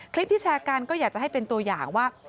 คลิปที่แชร์กันก็อยากจะให้เป็นตัวอย่างว่า